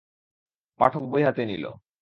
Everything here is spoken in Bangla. পাঠক বই হাতে নিল।